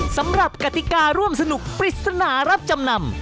สำหรับกัติการร่วมสนุกปริศนารับจำนำ